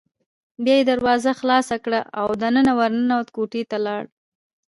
بیا یې دروازه خلاصه کړه او دننه ور ننوت، کوټې ته لاړ.